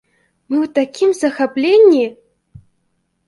Мы ў такім захапленні!